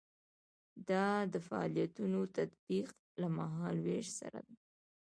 دا د فعالیتونو تطبیق له مهال ویش سره ده.